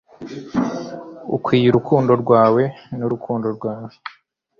ukwiye urukundo rwawe n'urukundo rwawe